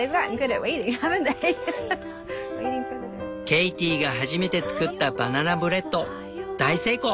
ケイティが初めて作ったバナナブレッド大成功。